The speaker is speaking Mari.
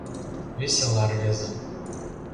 Весела рвезе.